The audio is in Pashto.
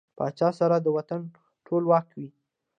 پاچا سره د وطن ټول واک وي .